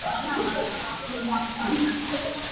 Na angki naa hruk mi hi khoi ka ahdah na cawk?